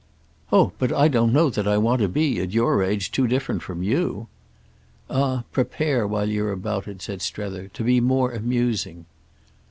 "Oh but I don't know that I want to be, at your age, too different from you!" "Ah prepare while you're about it," said Strether, "to be more amusing."